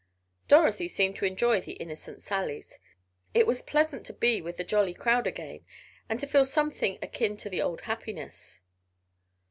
Dorothy seemed to enjoy the innocent sallies. It was pleasant to be with the jolly crowd again, and to feel something akin to the old happiness.